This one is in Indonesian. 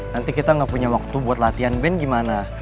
nanti kita nggak punya waktu buat latihan band gimana